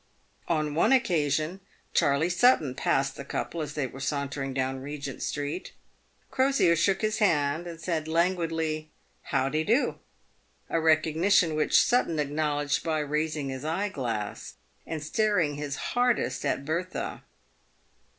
On one occasion, Charley Sutton passed the couple as they were sauntering down Regent street. Crosier shook his hand, and said, languidly, " How dedoo ?" a recognition which Sutton acknowledged by raising his eye glass, and staring his hardest at Bertha.